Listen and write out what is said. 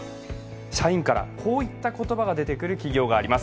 社員からこういった言葉が出てくる企業があります。